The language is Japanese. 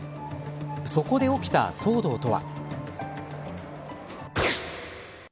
そこで起きた騒動とは。